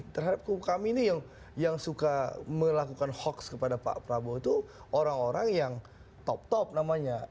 terhadap kami ini yang suka melakukan hoax kepada pak prabowo itu orang orang yang top top namanya